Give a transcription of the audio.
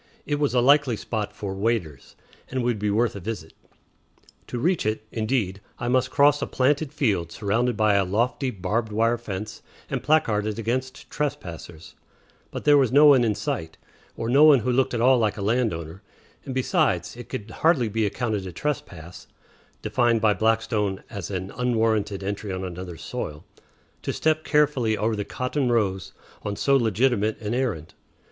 It was a likely spot for "waders," and would be worth a visit. To reach it, indeed, I must cross a planted field surrounded by a lofty barbed wire fence and placarded against trespassers; but there was no one in sight, or no one who looked at all like a land owner; and, besides, it could hardly be accounted a trespass defined by Blackstone as an "unwarranted entry on another's soil" to step carefully over the cotton rows on so legitimate an errand.